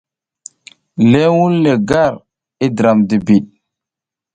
Ləh wun le gar i dram dibid.